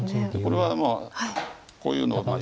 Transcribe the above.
これはもうこういうのは。